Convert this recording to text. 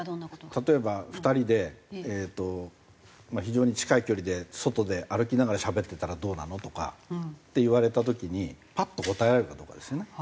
例えば２人で非常に近い距離で外で歩きながらしゃべってたらどうなの？とかって言われた時にパッと答えられるかどうかですよね。